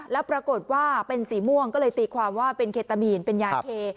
แล้วปรากฏว่าเป็นสีม่วงก็เลยตีความว่าเป็นเคตามีนเป็นยาเค